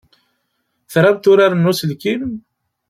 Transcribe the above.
Tramt uraren n uselkim?